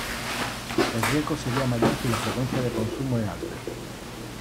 El riesgo sería mayor si la frecuencia de consumo es alta.